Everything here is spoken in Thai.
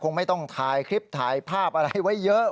คงไม่ต้องถ่ายคลิปถ่ายภาพอะไรไว้เยอะ